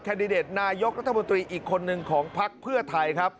ดิเดตนายกรัฐมนตรีอีกคนนึงของพักเพื่อไทยครับ